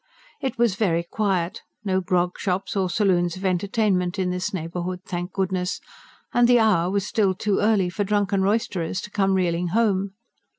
It was very quiet no grog shops or saloons of entertainment in this neighbourhood, thank goodness! and the hour was still too early for drunken roisterers to come reeling home.